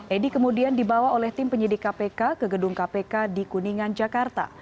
edi kemudian dibawa oleh tim penyidik kpk ke gedung kpk di kuningan jakarta